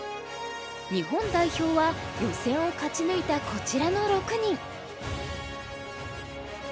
日本代表は予選を勝ち抜いたこちらの６人。